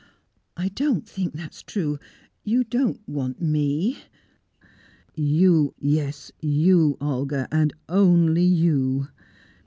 "I don't think that is true! You don't want me " "You! Yes, you, Olga! And only you!"